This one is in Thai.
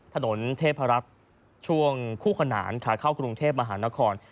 ถนนเทพรักษ์ช่วงคู่ขนานขาเข้ากรุงเทพมหานคร